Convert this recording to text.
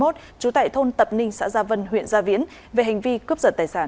trú tại thôn tập ninh xã gia vân huyện gia viễn về hành vi cướp giật tài sản